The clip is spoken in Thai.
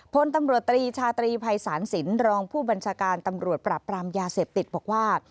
พลตำรวจตรีชาตรีภัยศาลสินรองผู้บัญชาการตำรวจปราบปรามยาเสพติดบอกว่า